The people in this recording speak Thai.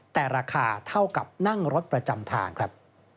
แต่ราคาเท่ากับนั่งรถประจำทางครับ